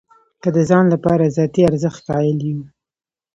که د ځان لپاره ذاتي ارزښت قایل یو.